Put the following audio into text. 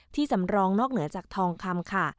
สำรองนอกเหนือจากทองคำค่ะ